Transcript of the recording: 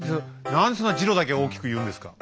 何でそんなジロだけ大きく言うんですか？